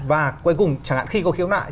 và cuối cùng chẳng hạn khi có khiếu nại